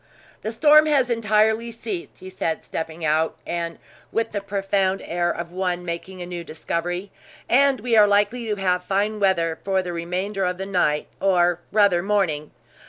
"The storm has entirely ceased," he said, stepping out, and with the profound air of one making a new discovery, "and we are likely to have fine weather for the remainder of the night or rather, morning.